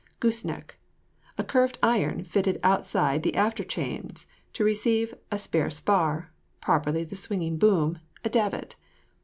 GOOSE NECK. A curved iron, fitted outside the after chains to receive a spare spar, properly the swinging boom, a davit.